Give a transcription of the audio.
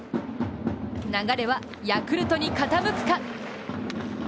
流れはヤクルトに傾くか？